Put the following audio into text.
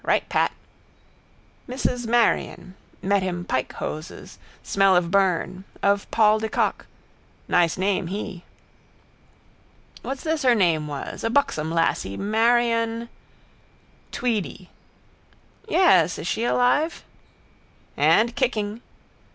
Right, Pat. Mrs Marion. Met him pike hoses. Smell of burn. Of Paul de Kock. Nice name he. —What's this her name was? A buxom lassy. Marion... —Tweedy. —Yes. Is she alive? —And kicking.